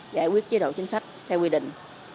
giải quyết chế độ chính sách theo quy định